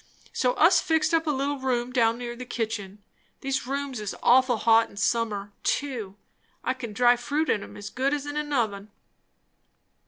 So us fixed up a little room down near the kitchen. These rooms is awful hot in summer, too. I can dry fruit in 'em as good as in an oven."